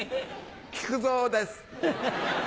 木久蔵です。